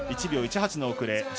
１秒１８の遅れ。